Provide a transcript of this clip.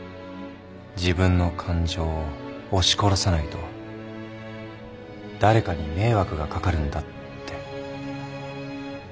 自分の感情を押し殺さないと誰かに迷惑がかかるんだって。